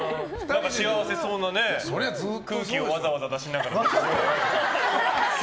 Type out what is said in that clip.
幸せそうな空気をわざわざ出しながら。